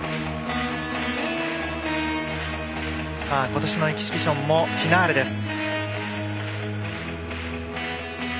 今年のエキシビションもフィナーレです。